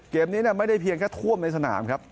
เกมนี้ไม่ได้เพียงแค่ท่วมในสนามครับ